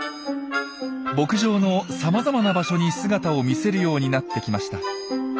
牧場のさまざまな場所に姿を見せるようになってきました。